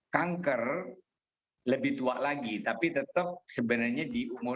kanker lebih tua lagi tapi tetap sebenarnya di umur